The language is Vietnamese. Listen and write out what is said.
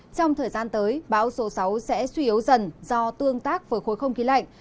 trong thời gian tới bão số sáu sẽ suy yếu dần do tương tác với khối không khí lạnh